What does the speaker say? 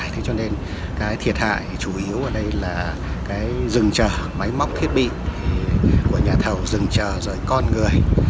thiệt hại chủ yếu ở đây là rừng trở máy móc thiết bị của nhà thầu rừng trở dưới con người